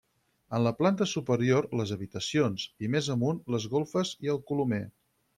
En la planta superior les habitacions, i més amunt les golfes i el colomer.